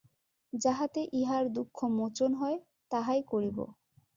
যাহাতে ইহার দুঃখ মােচন হয়, তাহাই করিব।